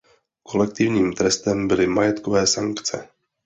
Kolektivním trestem byly majetkové sankce.